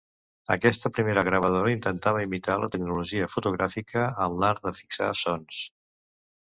Aquesta primera gravadora intentava imitar la tecnologia fotogràfica en l'art de fixar sons.